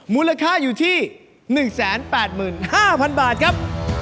มูลค่าอยู่ที่๑๘๕๐๐๐บาทครับ